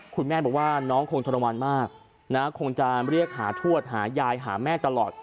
คุณแม่บอกว่าน้องคงทรมานมากนะคงจะเรียกหาทวดหายายหาแม่ตลอด